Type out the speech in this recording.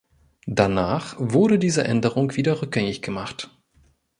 Danach wurde diese Änderung wieder rückgängig gemacht.